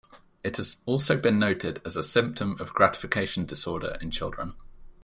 It has also been noted as a symptom of gratification disorder in children.